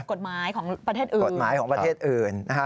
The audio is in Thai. กฎหมายของประเทศอื่น